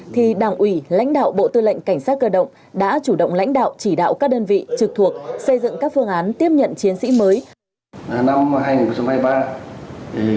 thì đảng ủy lãnh đạo bộ tư lệnh cảnh sát cơ động đã chủ động lãnh đạo chỉ đạo các đơn vị trực thuộc xây dựng các phương án tiếp nhận chiến sĩ mới